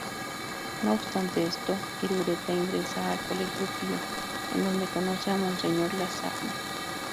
No obstante esto, Irureta ingresa al Colegio Pío, en donde conoce a Monseñor Lasagna.